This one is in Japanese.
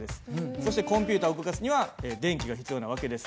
そしてコンピュータを動かすには電気が必要な訳です。